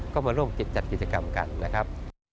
ก็มาร่วมจัดกิจกรรมกันนะครับ